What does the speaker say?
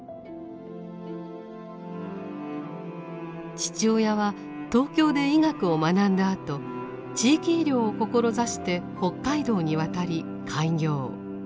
父親は東京で医学を学んだあと地域医療を志して北海道に渡り開業。